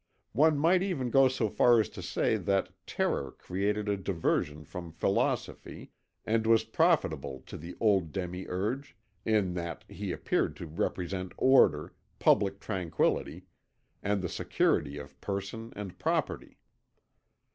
One might even go so far as to say that terror created a diversion from philosophy and was profitable to the old demiurge, in that he appeared to represent order, public tranquillity, and the security of person and property.